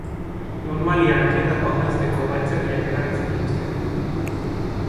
Normalean oinetakoak janzteko galtzerdiak erabiltzen dituzte.